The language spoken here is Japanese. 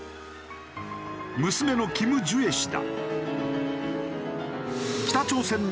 娘のキム・ジュエ氏だ。